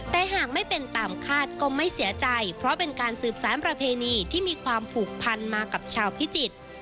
แต่หากไม่เป็นตามคาดก็ไม่เสียใจเพราะเป็นการสืบสารประเพณีที่มีความผูกพันมากับชาวพิจิตร